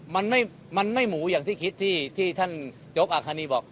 มันไม่หมูอย่างที่คิดที่ท่านยกอาคณีบอก